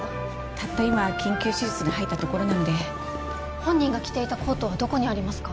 ・たった今緊急手術に入ったところなので本人が着ていたコートはどこにありますか？